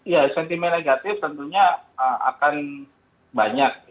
ya sentimen negatif tentunya akan banyak